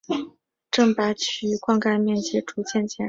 郑白渠灌溉面积逐渐减少。